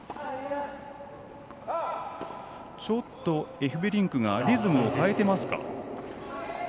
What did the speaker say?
エフベリンクがリズムを変えてますか。